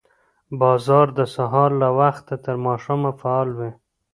بازار د سهار له وخته تر ماښامه فعال وي